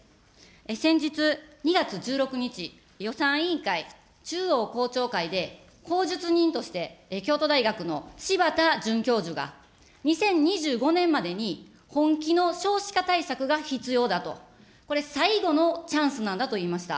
先日、２月１６日、予算委員会、中央公聴会で公述人として京都大学の柴田准教授が２０２５年までに本気の少子化対策が必要だと、これ、最後のチャンスなんだと言いました。